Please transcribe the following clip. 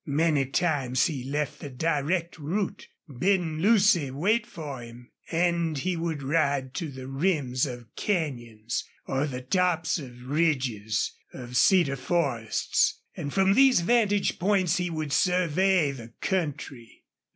Many times he left the direct route, bidding Lucy wait for him, and he would ride to the rims of canyons or the tops of ridges of cedar forests, and from these vantage points he would survey the country.